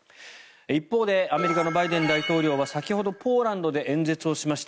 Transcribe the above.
一方でアメリカのバイデン大統領は先ほどポーランドで演説をしました。